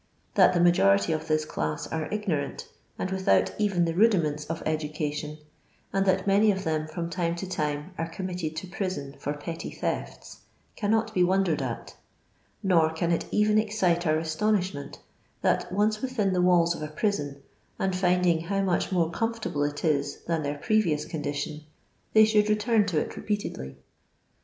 That the majority of this class are ignorant, and without even the rudiments of education, and that many of them from time to time are committed to prison for petty thefts, cannot be wondered at. Nor can it even excite our astonishment that, once within the walls of a prison, and finding how much more comfort able it is than their previous condition, they should return to it repeatedly.